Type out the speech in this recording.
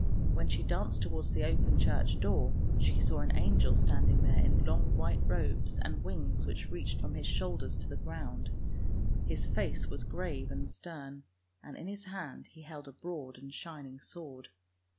When she danced towards the open church door, she saw an angel standing there in long white robes and wings which reached from his shoulders to the ground, his face was grave and stern, and in his hand he held a broad and shining sword.